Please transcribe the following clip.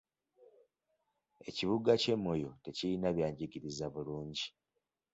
Ekibuga ky'e Moyo tekirina byanjigiriza bulungi.